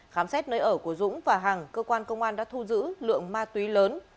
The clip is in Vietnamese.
khám xét nơi ở của dũng và hằng cơ quan công an đã thu giữ lượng ma túy lớn